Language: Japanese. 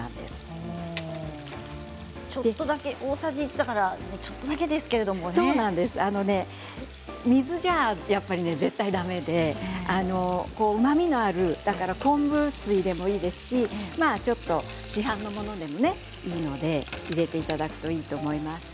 大さじ１ですから水ではやっぱり絶対だめでうまみのある昆布水でもいいですしちょっと市販のものでもいいですので入れていただくといいと思います。